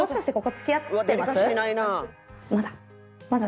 まだ？